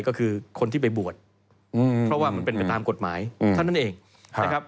ก็คือคนที่ไปบวชเพราะว่ามันเป็นไปตามกฎหมายเท่านั้นเองนะครับ